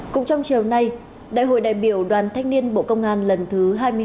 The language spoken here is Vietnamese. cũng trong chiều nay đại hội đại biểu đoàn thanh niên bộ công an lần thứ hai mươi hai